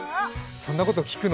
そんなこと聞くの？